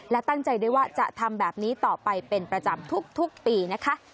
และตั้งใจด้วยว่าจะทำแบบนี้ต่อไปเป็นประจำทุกปีนะคะ